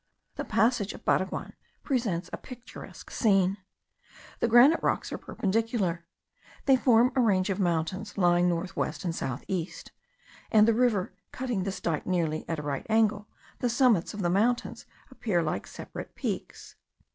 The Passage of Baraguan presents a picturesque scene. The granite rocks are perpendicular. They form a range of mountains lying north west and south east; and the river cutting this dyke nearly at a right angle, the summits of the mountains appear like separate peaks.